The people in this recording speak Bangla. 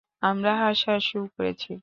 আমরা হাসাহাসিও করেছি।